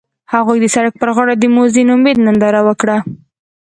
هغوی د سړک پر غاړه د موزون امید ننداره وکړه.